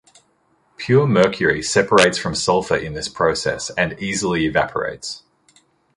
Pure mercury separates from sulfur in this process and easily evaporates.